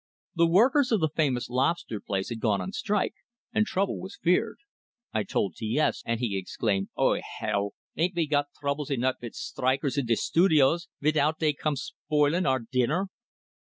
The workers of the famous lobster palace had gone on strike, and trouble was feared. I told T S, and he exclaimed: "Oh, hell! Ain't we got troubles enough vit strikers in de studios, vitout dey come spoilin' our dinner?"